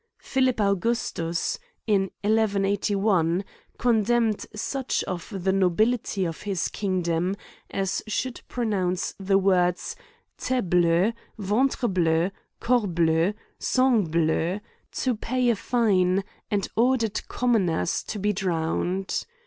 .'' Philip Augustus, in 1181, condemned such of the nobility of his kingdom as should pronouce the words telebleui ventrebleu^ corbleu, sangbleuy to pay a fine, and ordered commoners to be drowned.